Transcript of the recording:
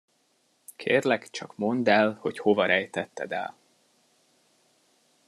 Kérlek, csak mondd el, hogy hova rejtetted el.